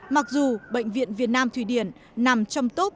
mặc dù bệnh viện việt nam thụy điển nằm trong top